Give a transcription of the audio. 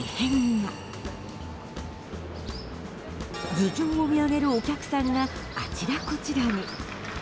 頭上を見上げるお客さんがあちらこちらに。